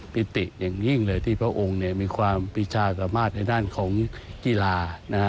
ปิติอย่างยิ่งเลยที่พระองค์มีความปีชาสามารถในด้านของกีฬา